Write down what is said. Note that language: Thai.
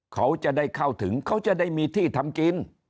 เขาจะได้เข้าถึงเขาจะได้มีที่ทำกิน